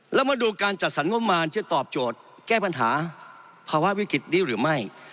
แล้วมาดูการจัดสรรงบมารจะตอบโจทย์แก้ปัญหาภาวะวิกฤตนี้หรือไม่